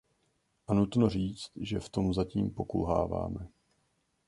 A nutno říct, že v tom zatím pokulháváme.